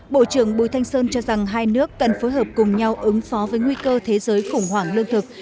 bộ trưởng bùi thanh sơn cho rằng hai nước cần phối hợp cùng nhau ứng phó với nguy cơ thế giới khủng hoảng lương thực